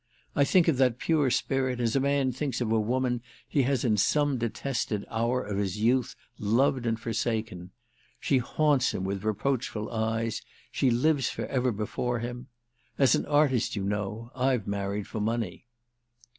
I think of that pure spirit as a man thinks of a woman he has in some detested hour of his youth loved and forsaken. She haunts him with reproachful eyes, she lives for ever before him. As an artist, you know, I've married for money."